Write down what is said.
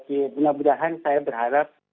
mudah mudahan saya berharap